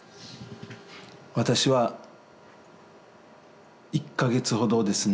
私は１か月ほどですね